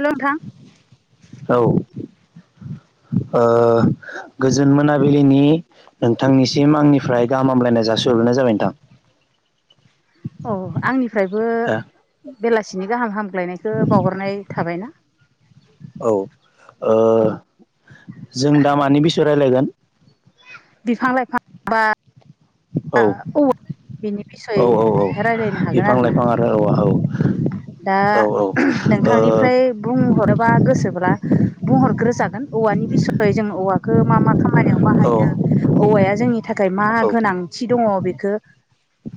हेल' नोंथां औ ओ गोजोन मोनाबिलिनि नोंथांनिसिम आंनिफ्राय गाहाम हामलायनाय जासिहरग्रोनाय जाबाय नोंथां। [inaudible] औ आंनिफ्रायबो बेलासिनि गाहाम हाम ग्लायनायखो बावहरनाय थाबायना। औ ओ औ जों दा मानि बिसय रायलायगोन? बिफां लाइफां बा औ औवा बिनि बिसय औ औ औ रायलायनो हागोन बिफां आरोना लाइफां आरो औ औ [inaudible] दा औ ओ नोंथांनिफ्राय बुंहरोबा गोसोब्ला बुंहरग्रोजा हागोन औवानि बिसय जों औवाखो मा मा खामानियाव बाहायो औ औवाया जोंनिथाखाय मा औ गोनां थि दङ बेख खो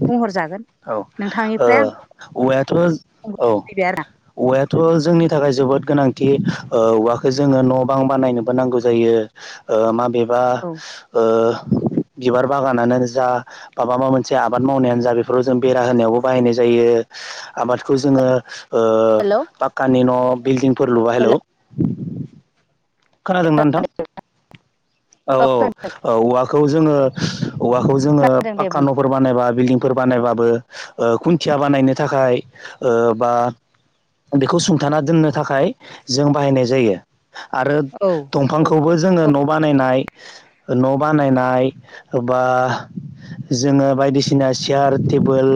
बुंहर जागोन। औ ओ। औवायाथज औ फैबाय आरो औवायाथ जोंनि थाखाय जोबोद गोनां। थि ओह औवाखो जोंङो न बां बानायनोबो नांगौ जायो ओ माब एबा औ ओ बिबार बागानानोजा बा माबा मोनसे आबाद मावनायानोजा बेफ फोराव जों बेरा होनायावबो बाहायनाय जायो। आबादखौ जोङो ओह हेल' पाक्कानि न बिल्डिंफोर लुवा हेलौ हेल' खोनादों ना नोंथां? औ औ औ औवाखौ जोङो औवाखौ जोङो दे पाक्का बुं न फोर बानायबा बिल्डिं बानायबाबो ओह खुन्थिया बानायनो थाखाय ओ बा बेखौ सुंथाना दोननोथाखाय जों बाहायनाय जायो। आरो औ औ दंफांखौबो जोङो न बानायनाय। न बानायनाय बा जोङो बायदिसिनास सेयार टेबोल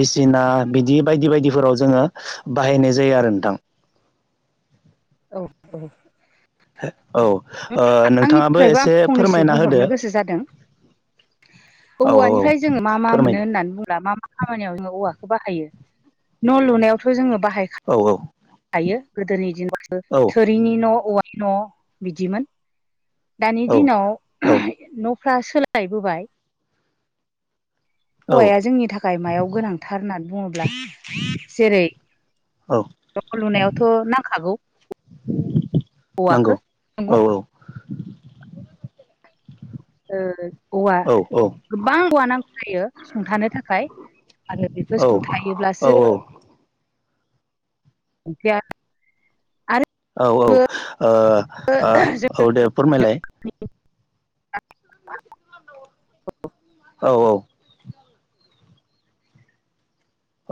बिसिना बिदि बायदि बायदिफोराव जोङो बाहायनाय जायो आरो नोंथां। औ औ। औ ओह नोंथाङाबो आंनिफ्रायबो आं एसे फंनैसो फोरमायना होदो। औ औ औवानिफाय जोङो मा मा मोनो फोरमायदो होननानै बुङोब्ला मा मा खामानियाव जोङो औवाख बाहायो न लुनायावथ जोङो बाहाय औ औ खा यो गोदोनि दिनाव। [unintelligible] औ थोरिनि न औवानि न बिदिमोन। दानि दिनाव औ न' फ्रा सोलायबोबाय। औ हौवाया जोंनि थाखाय मायाव गोनांथार होननानै बुङोब ब्ला जेरै औ न लुनायावथ' नांखागौ। औवाखो नंगौ औ नंगो। ओअं औवा औ गोबां औवा नांगौ जायो। सुंथानो थाखाय आरो बेखो औ औ सुंथायोब्लासो। [unintelligible] आरो औ औ ओ ओ जों औ दे फोरमायलाय। [unintelligible] औ औ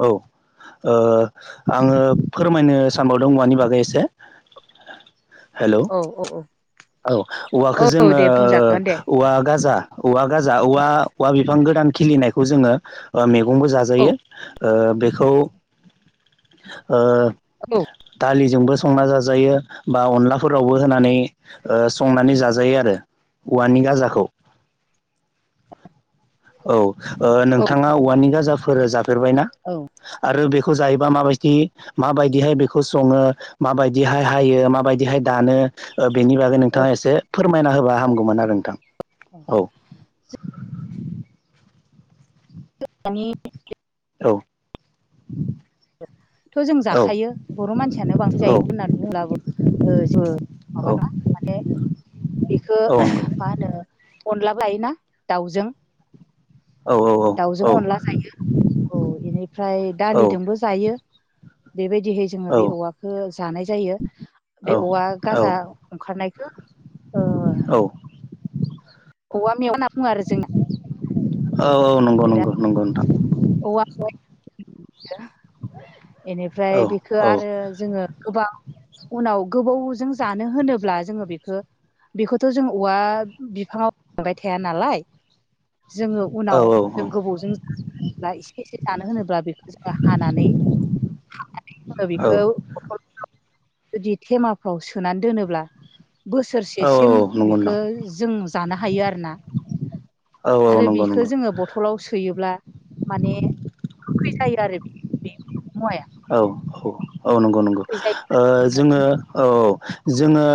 औ आङो फोरमायनो सानबावदों औवानि बागै एसे हेलौ औ औ औ। औ औ औवाखौ जोङो दे बुंजागोन दे औवा गाजा औवा गाजा औवा औवा बिफां गोदान खिलिनायखौ जोङो मैगंबो औ जाजायो। ओ बेखौ ओ औ दालि जोंबो संना जाजायो बा अनलाफोरावबो होनानै ओ संनानै जाजायो आरो औवानि गाजाखौ । औ ओ औ नोंथाङा औवानि गाजाफोर जाफेरबायना औ आरो बेख जायोबा माबायदि माबादिहाय बेखौ सङो मा बायदिहाय हायो माबायदिहाय दानो ओ बेनि बागै औ नोंथाङा एसे फोरमायना होबा हामगौमोन आरो नोंथां। औ। [unintelligible] औ। थ' जों औ जाखायो बर' मानसियानो बांसिन जायो होननानै बुंब्लाबो जो औ माबाना माने बेखौ औ नंगौ मा होनो अनला लायोना दाउजों औ औ दाउजों अनला जायो औ बेनिफ्राय औ दालिजोंबो। जायो बेबायदिहै जोङो बे औ औवाखौ जानाय जायो औ बे औवा गाजा औ ओंखारनायखौ औवा मेवा होनना बुङो आरो जोंना औ औ नंगौ ओमफ्राय दा नंगौ नंगौ नोंथां औवा औ बेनिफ्राय बेखौ आरो जोङो गोबाव उनाव गोबाव जों जानो होनोब्ला जों बेखो बेखौथ' जों औवा बिफांआव मोनबाय थाया नालाय जोङो औ उनाव जों गोबावजों ला एसे एसे जानो होनोब्ला बेखौ जो हानानै [unintelligible] जोङो औ बेखौ जुदि थेमाफ्राव सोनानै दोनोब्ला औ औ बोसोरसेसिम नंगौ नोंथां बेखौ जों थानो हायो आरोना औ औ आरो नंगौ नंगौ बिखौ जोङो बथलाव सोयोब्ला माने गोखै जायो आरो फे औ औ औ नंगौ नंगौ गोखै जायो जोङो औ औ। जोङो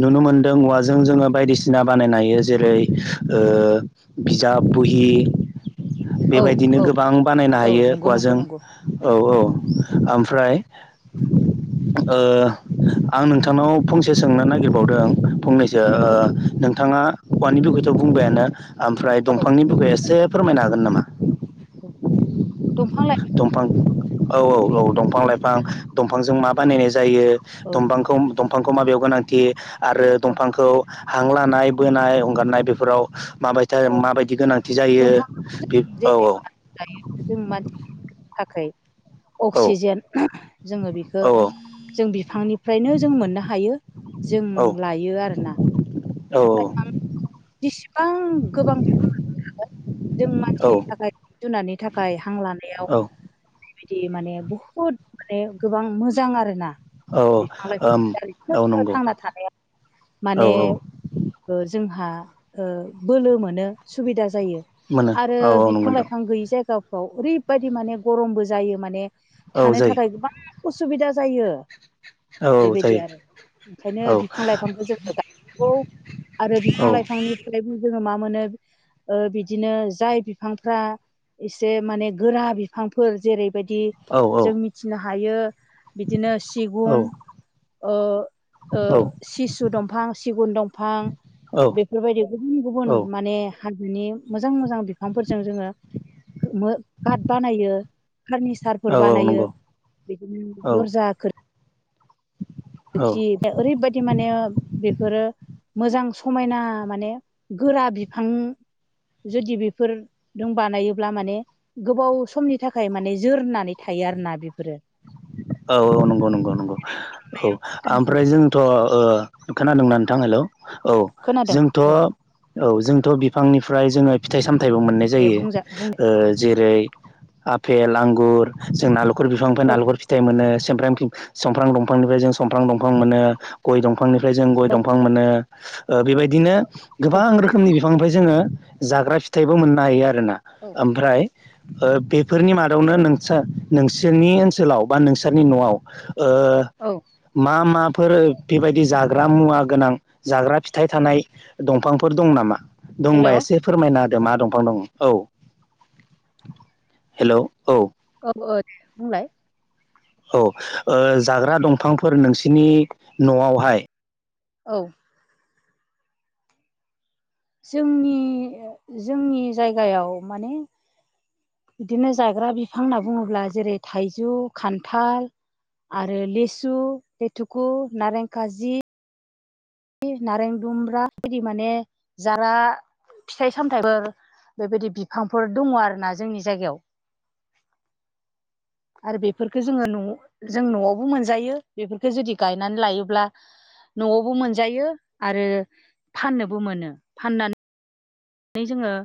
नुनो मोनदों औवाजों जोङो बायदिसिना बानायनो हायो जेरै ओ बिजाब बुहि औ बेबायदिनो औ गोबां बानायनो औ हायो नंगौ नंगौ औवाजों नंगौ औ औ ओमफ्राय ओ आं नोंथांनाव फंसे सोंनो नागिरबावदों फंनै जो औ ओ नोंथाङा औवानि बिुखैथ' बुंबायानो ओमफ्राय औ दंफांनि बिखै एसे फोरमायनो हागोन नामा । औ दफां औ औ औ दंफां लाइफां दंफांजों मा बानायनाय ज औ जायोफांखौ दंफांखौ माबेयाव गोनांथि आरो औ दंफांखौ हां लानाय बोनाय हंगारनाय बेफोराव माबायता औ माबायदि गोनांथि जायो दंफां बि औ औ। जेनेबा दायो जों मानसिनि थाखाय अक्सिजेन जोङो बेखौ औ जों बिफांनिफ्रायनो जों मोननो हायो जों औ लायो आरोना। औ। बिसिबां गोबां बिफां जों औ मानसिनि थाखाय जिब जुनारनि थाखाय हां लानायाव औ बेबायदि माने बुहुद माने गोबां मोजां आरो ना। औ बिफां ओम औ लाइफां नंगौ थांना थानाया औ माने औ जोंहा बोलो मोनो सुबिदा जायो मोनो आरो औ औ नंगौ बिफां नोंथां लाइफां गैयै जायगाफ्राव ओरैबायदि माने गरमबो जायो माने औ थानो जायो थाखाय गोबां उसुबिदा जायो। औ औ जायो बेबायदि आरो औ ओंखायनो बिफां-लाइफांबो जोङो। आरो बिफां औ लाइफांनिफ्राय जोङो मा मोनो ओ बिदिनो जाय बिफांफ्रा एसे माने गोरा बिफांफोर जेरैबायदि औ जों मिथिनो हायो। बिदिनो सिगुन ओ औ सिसु दंफां सिगुन दंफां बेफोरबायदि गुबुन गुबुन माने हाजोनि मोजां मोजां मोजां बिफांफोरजों जोङो कारट बानायो फार्निसारफोर औ औ बानायो। नंगौ बिदिनो औ दरजा खोरखि औ लोखि ओरैबायदि माने बेफोरो मोजां समायना माने गोरा बिफां जुदि बेफोर नों बानायोब्ला माने गोबाव समनि थाखाय माने जोर होननानै थायो। थायो आरोना बेफोरो औ औ नंगौ नंगौ नंगौ औ ओमफ्राय जोंथ' खोनादोंना नोंथां हेलौ औ खोनादों जोंथ'औ औ जोंथ' बिफांनिफ्राय जोङो फिथाइ साम थाइबो मोननाय दे जायो बुंजा बुं ओ जेरै आफेल आगुर जोंना लक खुर बिफांनिफ्राय औ नालेंखर फिथाइ मोनो सोमफ्रां फिफ समफ्रां दंफांनिफ्राय जों समफ्रांं दंफां मोनो गय दं फांनिफ्राय जों गय दंफां मोनो ओ बेबायदिनो औ गोबां रोखोमनि बिफ फांनिफ्राय जोङो जाग्रा फिथाइबो मोननो हायो आरोना औ ओमफ्राय ओ बेब फोरनि मादावनो औ नोंसा नोंसोरनि ओनसोलाव बा नोंसारनि न'आव ओ औ मा मा फोर बेबायदि जाग्रा मुवा गोनां जाग्रा फिथाइ थानाय दंफांफोर दं नामा? हेल' दंबा औ एसे फोरमायना मा दंफां दं औ हेलौ औ औ दे बुंलाय औ ओ जाग्रा दंफांफोर नोंसिनि न'आवहाय औ जोंनि जोंनि जायगायाव माने बिदिनो जाग्रा बिफां होनना बुङोब्ला जेरै थाइजौ खान्थाल आरो लेसु लेथुकु नारें खाजि नारें दुम्ब्रा बेदि माने जारा फिथाइ-सामथायाइफोर बेबायदि बिफांफोर दङ आरो ना जोंनि जायगायाव आरो बेफोरफोरखौ जोङो न'जों न'आवबो मोनजायो बेफोरखौो जुदि गायनानै लायोब्ला। न'आवबो मोन जायो आरो फाननोबो मोनो फाननानै जोङो